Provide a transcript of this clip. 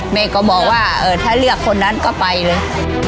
แม่ก็บอกว่าถ้าเลือกคนนั้นก็ไปเลย